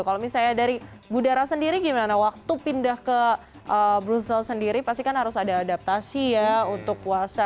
kalau misalnya dari budara sendiri gimana waktu pindah ke brussel sendiri pasti kan harus ada adaptasi ya untuk puasa